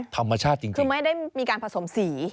ไข่ใช่ไหมคือไม่ได้มีการผสมสีธรรมชาติจริง